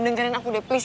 dengarkan aku deh please